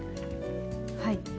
はい。